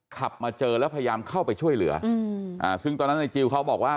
ขับมาเจอแล้วพยายามเข้าไปช่วยเหลืออืมอ่าซึ่งตอนนั้นในจิลเขาบอกว่า